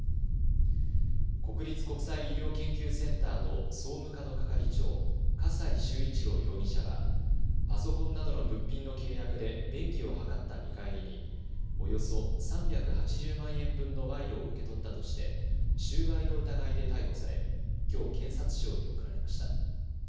国立国際医療研究センターの総務課の係長、笠井崇一郎容疑者はパソコンなどの物品の契約で便宜を図った見返りにおよそ３８０万円分の賄賂を受け取ったとして収賄の疑いで逮捕されきょう検察庁に送られました。